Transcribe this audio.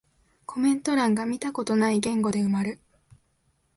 コメント欄が見たことない言語で埋まる